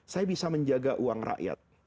saya bisa menjaga uang rakyat